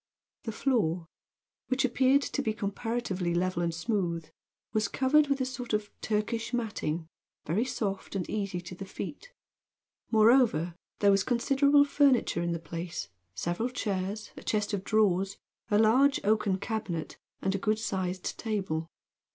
The floor, which appeared to be comparatively level and smooth, was covered with a sort of Turkish matting, very soft and easy to the feet. Moreover, there was considerable furniture in the place, several chairs, a chest of drawers, a large oaken cabinet and a good sized table.